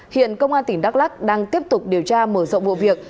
hiện công an tỉnh đắk lắc đang tiếp tục điều tra mở rộng vụ việc